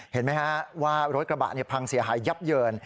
เห็นไหมฮะว่ารถกระบะพังเสียหายยับเยิน